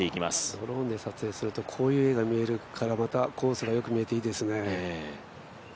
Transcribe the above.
ドローンで撮影するとこういう画が見えるからまたコースが見えていいですね。